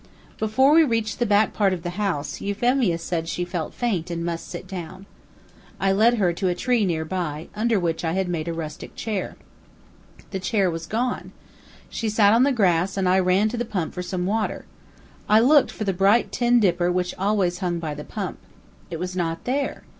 Before we reached the back part of the house, Euphemia said she felt faint and must sit down. I led her to a tree near by, under which I had made a rustic chair. The chair was gone. She sat on the grass and I ran to the pump for some water. I looked for the bright tin dipper which always hung by the pump. It was not there.